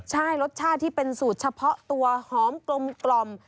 ใช่รสชาติที่เป็นสูตรเฉพาะตัวหอมกลม